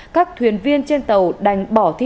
các thuyền viên trên tàu đành bỏ thi thương